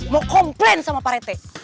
mau komplain sama parete